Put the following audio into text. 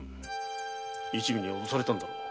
一味に脅されたんだろう。